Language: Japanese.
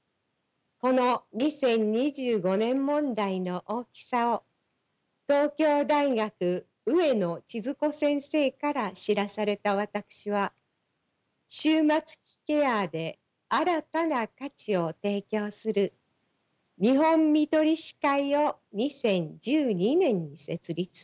この２０２５年問題の大きさを東京大学上野千鶴子先生から知らされた私は終末期ケアで新たな価値を提供する日本看取り士会を２０１２年に設立。